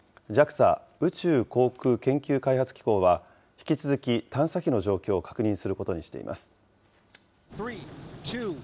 ＪＡＸＡ・宇宙航空研究開発機構は、引き続き探査機の状況を確認することにしています。